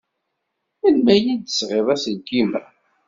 Melmi ay d-tesɣid aselkim-a?